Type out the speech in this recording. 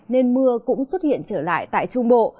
nên mưa cũng xuất hiện trở lại tại trung bộ